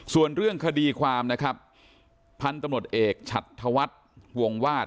ส่วนเรื่องคดีความนะครับพันธุ์ตำรวจเอกฉัดธวัฒน์วงวาด